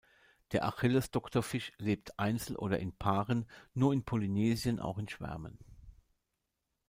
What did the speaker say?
Der Achilles-Doktorfisch lebt einzeln oder in Paaren, nur in Polynesien auch in Schwärmen.